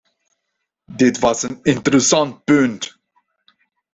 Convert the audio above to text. Dat was een interessant punt.